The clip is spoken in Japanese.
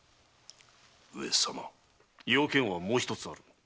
用件はもう一つある。